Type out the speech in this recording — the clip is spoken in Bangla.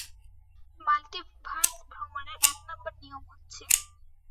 মাল্টিভার্স ভ্রমণের এক নাম্বার নিয়ম হচ্ছে!